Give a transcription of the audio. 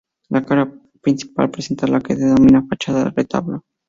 La cara principal representa lo que se denomina fachada retablo.